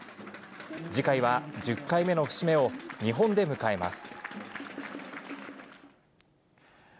次回は、１０回目の節目を日本で迎えます。